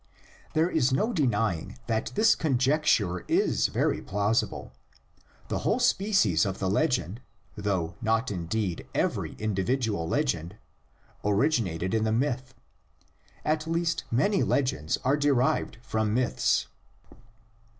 There is no denying that this con jecture is very plausible. The whole species of the legend — though not indeed every individual legend — originated in the myth; at least many legends are derived from myths.